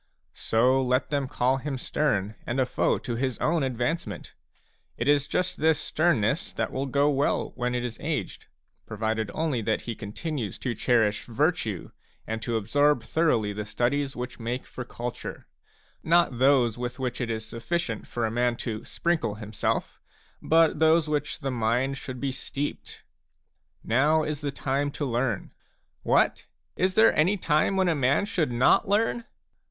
So let them call him stern and a foe to his own advancement. It is just this stern ness that will go well when it is aged, provided only that he continues to cherish virtue and to absorb thoroughly the studies which make for culture, — not those with which it is sufficient for a man to sprinkle > himself, but those in which the mind should be steeped. Now is the time to learn. " What ? Is there any time when a man should not learn